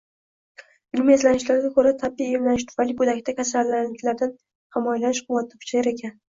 Ilmiy izlanishlarga ko‘ra, tabiiy emizish tufayli go‘dakda kasalliklardan himoyalanish quvvati kuchayar ekan.